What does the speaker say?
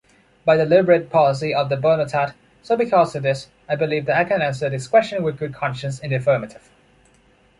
By deliberate policy of the Bernotat, so because of this, I believe that I can answer this question with good conscience in the affirmative.